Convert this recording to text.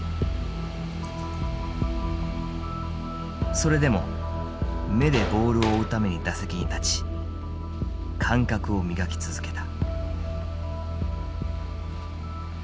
それでも目でボールを追うために打席に立ち感覚を磨き続けた。